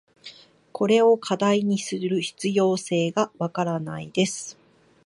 これを課題にする必要性が分からないです。